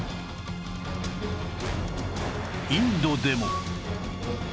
インドでも